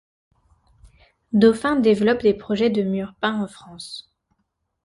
Dauphin développe des projets de murs peints en France.